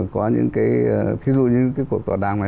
có những cái